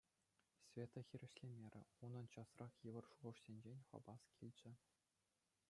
Света хирӗҫлемерӗ. Унӑн часрах йывӑр шухӑшсенчен хӑпас килчӗ.